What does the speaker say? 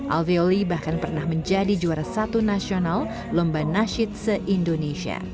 alveoli bahkan pernah menjadi juara satu nasional lomba nasyid se indonesia